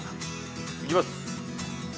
行きます。